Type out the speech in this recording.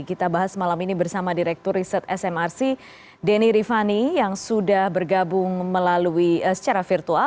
kita bahas malam ini bersama direktur riset smrc denny rifani yang sudah bergabung melalui secara virtual